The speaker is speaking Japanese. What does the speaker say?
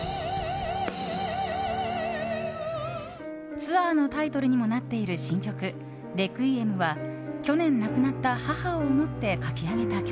ツアーのタイトルにもなっている新曲「レクイエム」は去年亡くなった母を思って書き上げた曲。